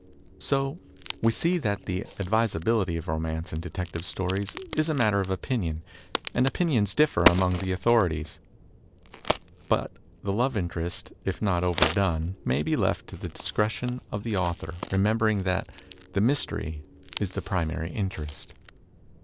So we see that the advisability of romance in detective stories is a matter of opinion, and opinions differ among the authorities. But the love interest, if not overdone, may be PLOTS 297 left to the discretion of the author, remembermg that the mystery is the primary interest.